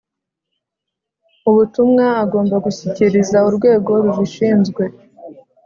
ubutumwa agomba gushyikiriza Urwego rubishinzwe